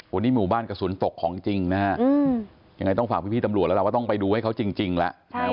วันนี้หมู่บ้านกระสุนตกของจริงนะฮะยังไงต้องฝากพี่ตำรวจแล้วล่ะว่าต้องไปดูให้เขาจริงแล้ว